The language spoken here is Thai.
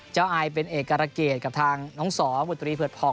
เจ้าอายเป็นเอกกรรเกตกับทางนองสอบุตรดิเปิดผ่อง